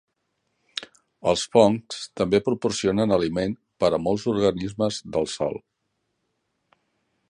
Els fongs també proporcionen aliment per a molts organismes del sòl.